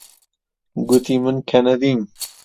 گوتی من کەنەدیم.